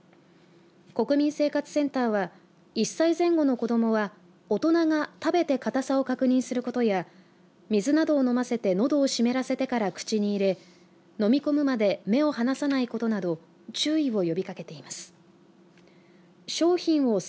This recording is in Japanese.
国民生活センターは１歳前後の子どもは大人が食べて固さを確認することや水などを飲ませてのどを湿らせてから口に入れ飲み込むまで目を離さないことなど注意を呼びかけています。